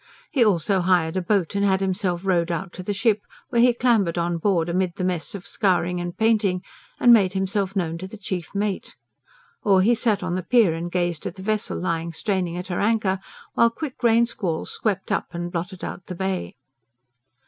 He also hired a boat and had himself rowed out to the ship, where he clambered on board amid the mess of scouring and painting, and made himself known to the chief mate. Or he sat on the pier and gazed at the vessel lying straining at her anchor, while quick rain squalls swept up and blotted out the Bay.